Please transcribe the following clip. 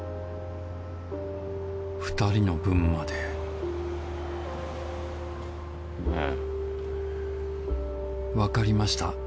２人の分まで「わかりました。